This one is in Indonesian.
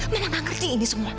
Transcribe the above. mereka gak ngerti ini semua